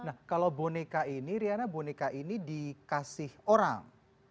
nah kalau boneka ini riana boneka ini dikasih orang